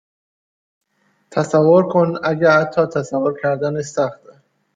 تصور کن اگه حتی تصور کردنش سخته